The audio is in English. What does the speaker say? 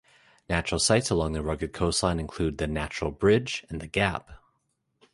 Natural sights along the rugged coastline include the 'Natural Bridge' and the 'Gap'.